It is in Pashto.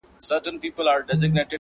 • له یوه کوهي را وزي بل ته لوېږي -